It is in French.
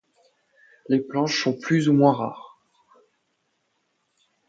Les planches sont plus ou moins rares.